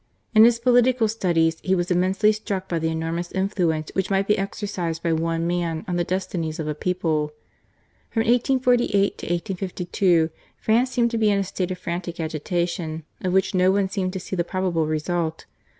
In his political studies he was immensely struck by the enormous influence which might be exercised by one man on the destinies of a people. From 1848 to 1852 France seemed to be in a state of frantic agita tion, of which no one seemed to see the probable result.